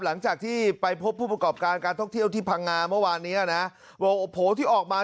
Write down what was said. หลังจากที่ไปพบผู้ประกอบการการท่อกเที่ยวที่พังงามะวานเนี้ยว่๊า